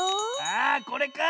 あこれか！